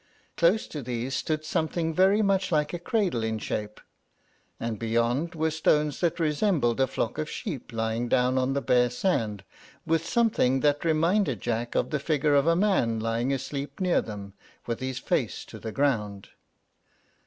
Close to these stood something very much like a cradle in shape; and beyond were stones that resembled a flock of sheep lying down on the bare sand, with something that reminded Jack of the figure of a man lying asleep near them, with his face to the ground.